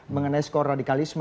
mengenai skor radikalisme